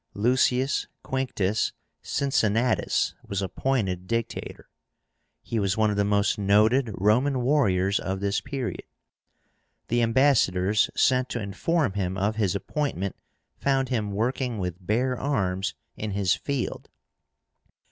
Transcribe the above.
LUCIUS QUINCTUS CINCINNÁTUS was appointed Dictator. He was one of the most noted Roman warriors of this period. The ambassadors sent to inform him of his appointment found him working with bare arms in his field.